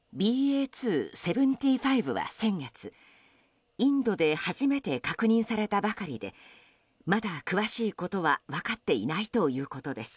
ＢＡ．２．７５は先月、インドで初めて確認されたばかりでまだ詳しいことは分かっていないということです。